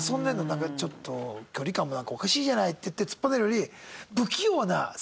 「なんかちょっと距離感もおかしいじゃない」って言って突っぱねるより。